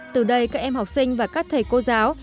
từ đây các em học sinh và các thầy cô giáo